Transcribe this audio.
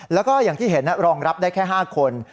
แล้วก็อย่างที่เห็นรองรับได้แค่๕คน